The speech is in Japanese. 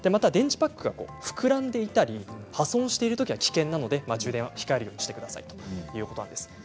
電池パックが膨らんでいたり破損しているときは危険なので充電は控えるようにしてくださいということです。